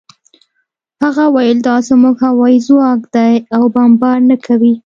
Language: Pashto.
هغه وویل دا زموږ هوايي ځواک دی او بمبار نه کوي